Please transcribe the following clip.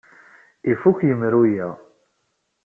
Ifuk yemru-a.